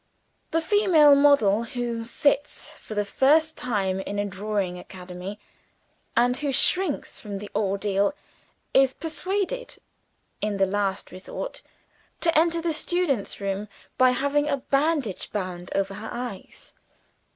The female model who "sits" for the first time in a drawing academy, and who shrinks from the ordeal, is persuaded, in the last resort, to enter the students' room by having a bandage bound over her eyes.